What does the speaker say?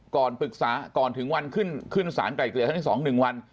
ก่อนปรึกษาก่อนถึงวันขึ้นสารไกลเกลี่ยครั้งที่๒๑วัน